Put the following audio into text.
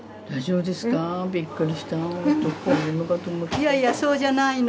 いやいやそうじゃないの。